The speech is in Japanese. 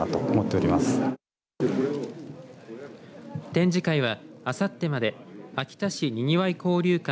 展示会は、あさってまで秋田新にぎわい交流館